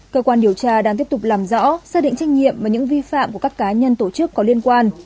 cơ quan điều tra đang tiếp tục làm rõ xác định trách nhiệm và những vi phạm của các cá nhân tổ chức có liên quan